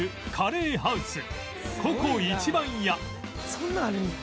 「そんなあるんや」